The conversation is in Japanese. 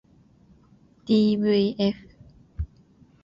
ｄｖｆ